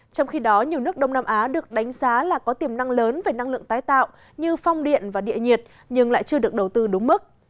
trong khi đó nhiều nước đông nam á được đánh giá là có tiềm năng lớn về năng lượng tái tạo như phong điện và địa nhiệt nhưng lại chưa được đầu tư đúng mức